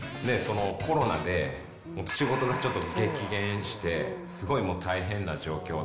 コロナで仕事がちょっと激減して、すごいもう大変な状況で。